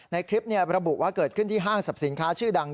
ในคลิประบุว่าเกิดขึ้นที่ห้างสรรพสินค้าชื่อดัง